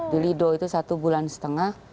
di lido itu satu bulan setengah